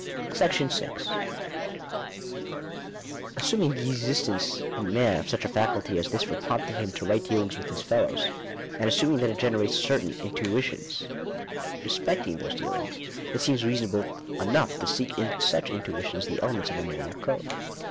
Digitized by VjOOQIC V"' INTRODUCTION. . Si, ''• M. ■'•■■•'\■•' Assuming the existence in man of such a faculty as this for prompting him to right dealings with his fellows, and as suming that it generates certain intuitions • respecting those dealings, it Seems reasonable enough to seek in suc£ intuitions ^ the elements of a moral code.